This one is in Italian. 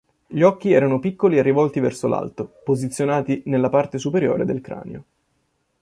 Gli occhi erano piccoli e rivolti verso l'alto, posizionati nella parte superiore del cranio.